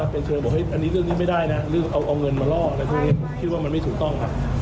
เป็นเชิญบอกอันนี้เรื่องนี้ไม่ได้นะเอาเงินมาล่อคิดว่ามันไม่ถูกต้องครับ